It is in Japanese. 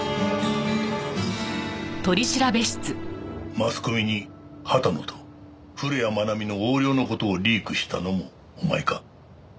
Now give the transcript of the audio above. マスコミに畑野と古谷愛美の横領の事をリークしたのもお前か？